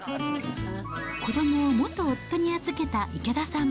子どもを元夫に預けた池田さん。